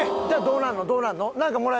じゃあどうなんのどうなんの？